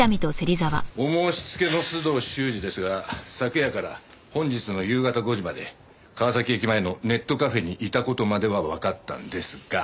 お申し付けの須藤修史ですが昨夜から本日の夕方５時まで川崎駅前のネットカフェにいた事まではわかったんですが。